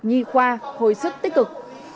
nhi khoa hồi sức tích cực